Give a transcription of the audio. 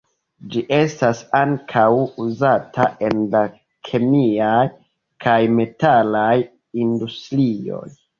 Ĝi estas ankaŭ uzata en la kemiaj kaj metalaj industrioj.